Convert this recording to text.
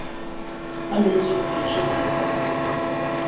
A num nzin njù tèttswe nke nkwa’a.